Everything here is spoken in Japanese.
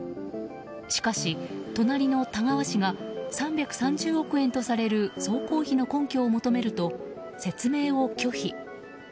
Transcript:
しかし、隣の田川市が３３０億円とされる総工費の根拠を求めると説明を拒否。